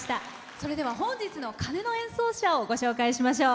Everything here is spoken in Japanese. それでは本日の鐘の演奏者をご紹介しましょう。